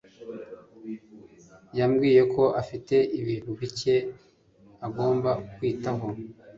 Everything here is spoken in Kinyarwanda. yambwiye ko afite ibintu bike agomba kwitaho.